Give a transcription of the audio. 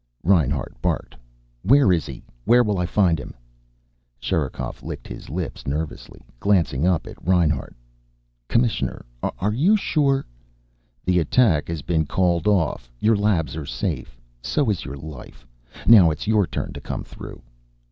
Reinhart barked. "Where is he? Where will I find him?" Sherikov licked his lips nervously, glancing up at Reinhart. "Commissioner, are you sure " "The attack has been called off. Your labs are safe. So is your life. Now it's your turn to come through."